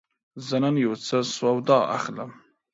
زه نن یوڅه سودا اخلم.